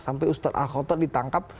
sampai ustadz al khotod ditangkap